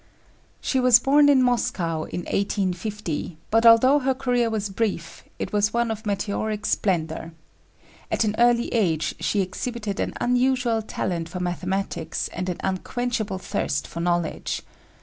She was born in Moscow in 1850, but although her career was brief it was one of meteoric splendor. At an early age she exhibited an unusual talent for mathematics and an unquenchable thirst for knowledge.